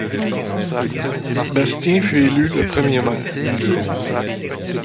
Bastien fut élu le premier maire.